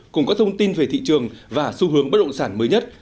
cùng các thông tin về thị trường và xu hướng bất động sản mới nhất